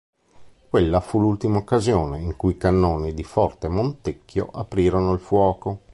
Quella fu l'ultima occasione in cui i cannoni di forte Montecchio aprirono il fuoco.